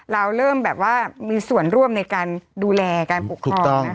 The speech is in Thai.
เราเริ่มแบบว่ามีส่วนร่วมในการดูแลการปกครอง